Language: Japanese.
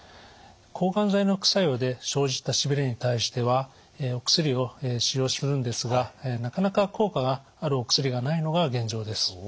抗がん剤の副作用で生じたしびれに対してはお薬を使用するんですがなかなか効果があるお薬がないのが現状です。